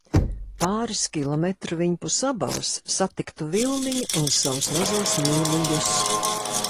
Pāris kilometru viņpus Abavas satiktu Vilmiņu un savus mazos mīluļus.